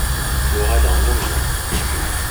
Uɣaleɣ nnumeɣ-t.